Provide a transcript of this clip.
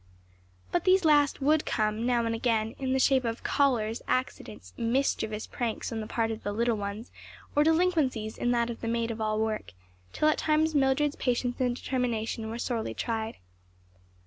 But these last would come now and again, in the shape of callers, accidents, mischievous pranks on the part of the little ones or delinquencies on that of the maid of all work, till at times Mildred's patience and determination were sorely tried.